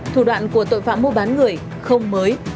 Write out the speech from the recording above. thủ đoạn của tội phạm mua bán người không mới